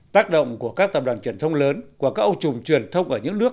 tác động của các tập đoàn truyền thông lớn của các âu trùng truyền thông ở những nước